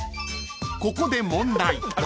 ［ここで問題］